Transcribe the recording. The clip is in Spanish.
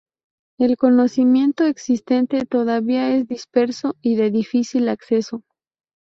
El conocimiento existente todavía es disperso y de difícil acceso.